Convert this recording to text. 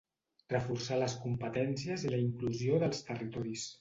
Reforçar les competències i la inclusió dels territoris.